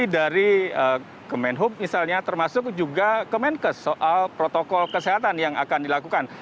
dari kemenhub misalnya termasuk juga kemenkes soal protokol kesehatan yang akan dilakukan